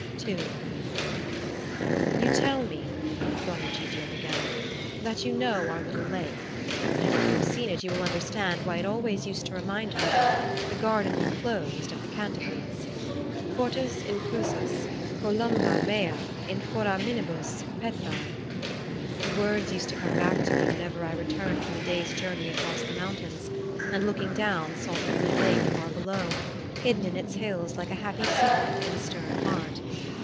II You tell me (Don Egidio began) that you know our little lake; and if you have seen it you will understand why it always used to remind me of the "garden enclosed" of the Canticles. Hortus inclusus; columba mea in foraminibus petræ: the words used to come back to me whenever I returned from a day's journey across the mountains, and looking down saw the blue lake far below, hidden in its hills like a happy secret in a stern heart.